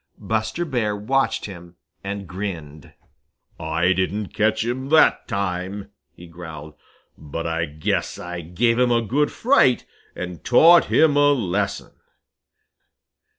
Buster Bear watched him and grinned. "I didn't catch him that time," he growled, "but I guess I gave him a good fright and taught him a lesson."